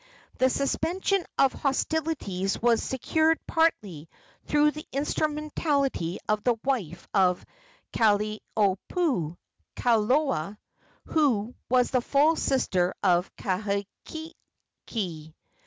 The suspension of hostilities was secured partly through the instrumentality of the wife of Kalaniopuu, Kalola, who was the full sister of Kahekili.